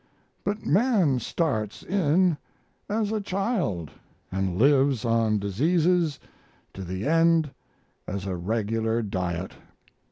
But man starts in as a child and lives on diseases to the end as a regular diet.